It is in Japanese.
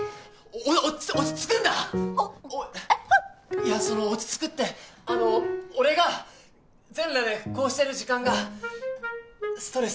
いやその落ち着くってあの俺が全裸でこうしている時間がストレス解消なんだ。